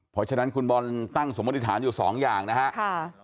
เพราะฉะนั้นคุณบอลตั้งสมมติฐานอยู่สองอย่างนะครับ